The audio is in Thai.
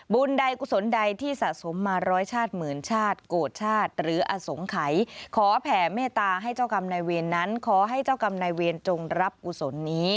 บุญใดกุศลใดที่สะสมมาร้อยชาติเหมือนชาติ